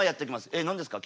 えっ何ですか？